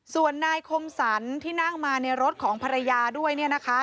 ส่วนนายคมสรรที่นั่งมาในรถของภรรยาด้วยเนี่ยนะคะ